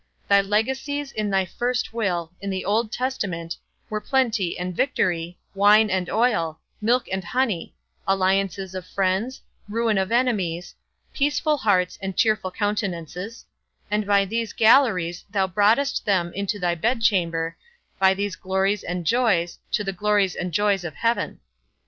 Thy legacies in thy first will, in the Old Testament, were plenty and victory, wine and oil, milk and honey, alliances of friends, ruin of enemies, peaceful hearts and cheerful countenances, and by these galleries thou broughtest them into thy bedchamber, by these glories and joys, to the joys and glories of heaven.